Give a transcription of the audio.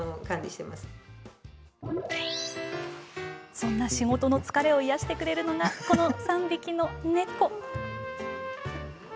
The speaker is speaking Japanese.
そんな仕事の疲れを癒やしてくれるのがこの３匹の猫。